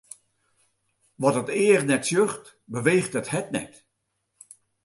Wat it each net sjocht, beweecht it hert net.